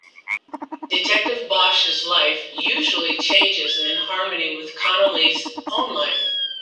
Detective Bosch's life usually changes in harmony with Connelly's own life.